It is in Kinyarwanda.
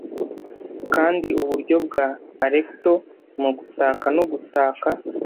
Kandi iburyo bwa Alecto mu gutaka no gutaka